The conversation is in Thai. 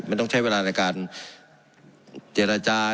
มันต้องใช้เวลาในการเจรจา